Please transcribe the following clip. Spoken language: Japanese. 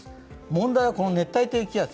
問題はこの熱帯低気圧。